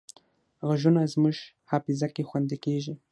غږونه زموږ حافظه کې خوندي کېږي